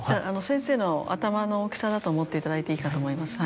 先生の頭の大きさだと思っていただいていいかと思います